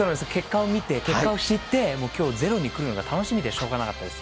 結果を知って今日、「ｚｅｒｏ」に来るのが楽しみでしょうがなかったです。